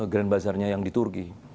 grand bazarnya yang di turki